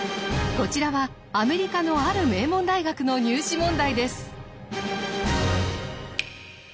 こちらはアメリカのある名門大学の入試問題です。